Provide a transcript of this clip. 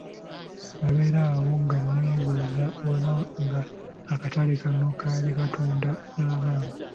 Nabeera awo nga neebuuza oba nga akatale kano kaali katunda n'abaana.